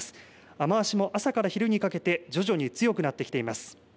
雨足も朝から昼にかけて徐々に強くなってきています。